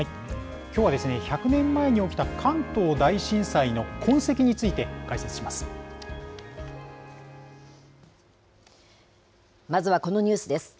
きょうは１００年前に起きた関東大震災の痕跡について、解説まずはこのニュースです。